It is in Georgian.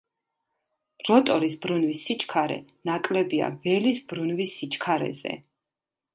როტორის ბრუნვის სიჩქარე ნაკლებია ველის ბრუნვის სიჩქარეზე.